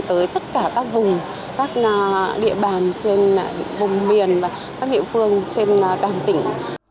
tới tất cả các vùng các địa bàn trên vùng miền và các địa phương trên toàn tỉnh